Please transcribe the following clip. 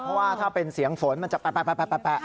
เพราะว่าถ้าเป็นเสียงฝนมันจะแปะ